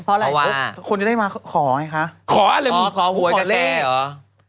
เพราะอะไรคนจะได้มาขอไงค่ะขออะไรขอหัวจากแกหรอ